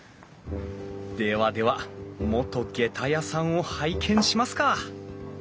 ではでは元げた屋さんを拝見しますか！